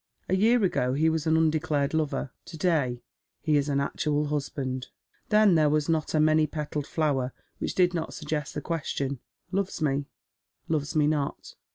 A year ago he was an undeclared lover — to day he is an actual husband. Then there was not a many, petalled flower which did not suggest the question, "Loves me, loves me not